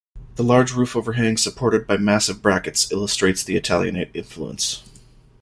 The large roof overhang supported by massive brackets illustrates the Italianate influence.